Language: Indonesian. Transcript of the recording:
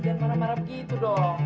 jangan marah marah begitu dong